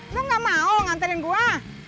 lu gak mau nganterin gua